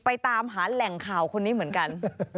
ตามหาแหล่งข่าวคนนี้เหมือนกัน